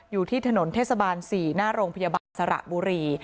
อยู่ที่ถนนเทศบาล๔หน้าโรงพยาบาลสระบุรี